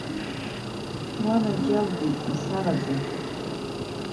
Уанаџьалбеит, исараӡа.